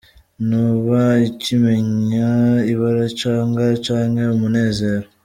Ntuba ukimenya ibara, icanga, canke umunezero.